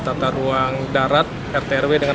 tata ruang darat rt rw dengan